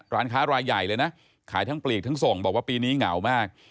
ร้านค้ารายใหญ่เลยนะขายทั้งปลีกทั้งส่งบอกว่าปีนี้เหงามาก